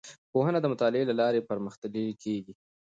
پوهنه د مطالعې له لارې پرمختللې کیږي.